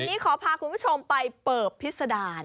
วันนี้ขอพาคุณผู้ชมไปเปิบพิษดาร